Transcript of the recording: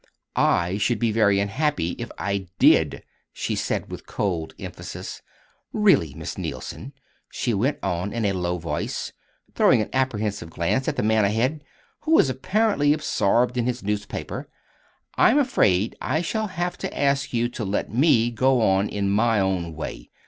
"I should be very unhappy if I did," she said with cold emphasis. "Really, Miss Neilson," she went on in a low voice, throwing an apprehensive glance at the man ahead, who was apparently absorbed in his newspaper, "I'm afraid I shall have to ask you to let me go on in my own way.